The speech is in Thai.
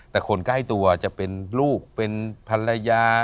แต่คนใกล้ตัวจะเป็นลูกเป็นภรรยา